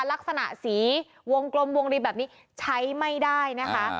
ลักษณะสีวงกลมวงรีแบบนี้ใช้ไม่ได้นะคะ